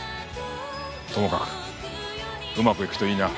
ともかくうまくいくといいな。